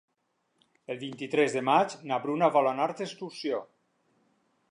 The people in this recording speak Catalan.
El vint-i-tres de maig na Bruna vol anar d'excursió.